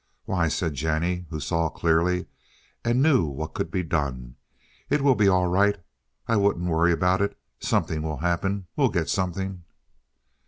"Why," said Jennie, who saw clearly and knew what could be done, "it will be all right. I wouldn't worry about it. Something will happen. We'll get something."